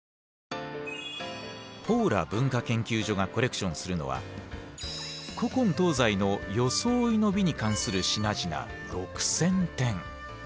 ポーラ文化研究所がコレクションするのはに関する品々６，０００点。